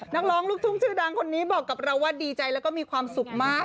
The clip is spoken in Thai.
นักร้องลูกทุ่งชื่อดังคนนี้บอกกับเราว่าดีใจแล้วก็มีความสุขมาก